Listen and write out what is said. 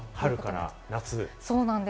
春から夏。